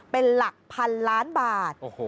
เป็นหลักพันล้านบาท